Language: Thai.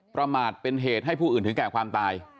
ประมาทเป็นเหตุให้ผู้อื่นถึงแก่ความตาย